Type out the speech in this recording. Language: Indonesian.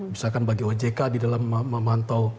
misalkan bagi ojk di dalam memantau